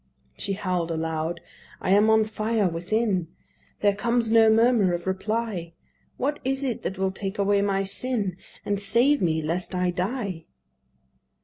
She howl'd aloud, "I am on fire within. There comes no murmur of reply. What is it that will take away my sin, And save me lest I die?"